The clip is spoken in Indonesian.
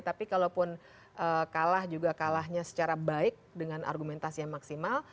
tapi kalaupun kalah juga kalahnya secara baik dengan argumentasi yang maksimal